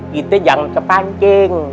kita jangan kepancing